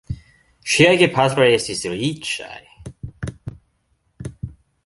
Ŝiaj gepatroj estis riĉaj.